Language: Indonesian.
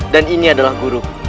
dan ini adalah guru